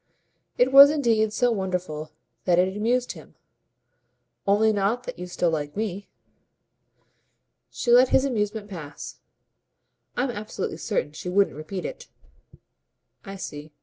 It was indeed so wonderful that it amused him. "Only not that you still like me." She let his amusement pass. "I'm absolutely certain she wouldn't repeat it." "I see.